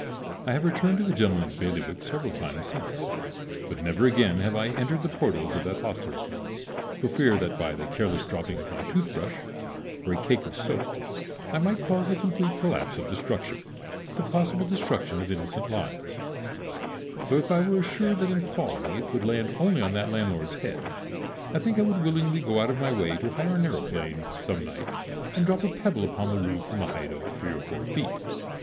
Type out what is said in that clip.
I have returned to the gentleman's bailiwick several times since; but never again have I entered the portals of that hostelry, for fear that by the careless dropping of my tooth brush or a cake of soap I might cause the complete collapse of the structure, with the possible destruction of innocent lives; though if I were assured that in falling it would land only on that landlord's head I think I would willingly go out of my way to hire an aëroplane some night and drop a pebble upon its roof from a height of three or four feet.